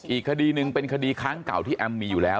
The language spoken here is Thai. อีกคดีหนึ่งเป็นคดีครั้งเก่าที่แอมมีอยู่แล้ว